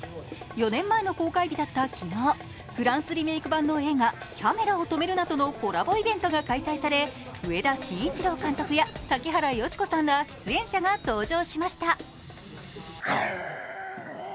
４年前の公開日だった昨日、フランスリメーク版の映画「キャメラを止めるな！」とのコラボイベントが開催され上田慎一郎監督や、竹原芳子さんら出演者が登場しました。